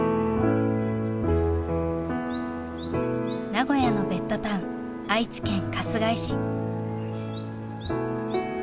名古屋のベッドタウン愛知県春日井市。